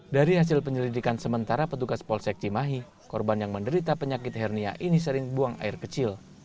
dari hasil penyelidikan sementara petugas polsek cimahi korban yang menderita penyakit hernia ini sering buang air kecil